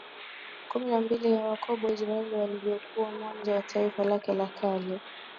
kumi na mbili wa Yakobo Israeli walivyokuwa mwanzo wa taifa lake la kale